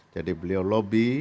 jadi beliau lobby